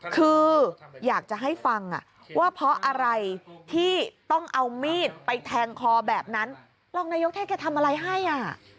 คืออยากจะให้ฟังอ่ะว่าเพราะอะไรที่ต้องเอามีดไปแทงคอแบบนั้นรองนายกเทศแกทำอะไรให้อ่ะ